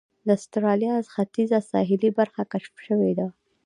د اسټرالیا ختیځه ساحلي برخه کشف شوې وه.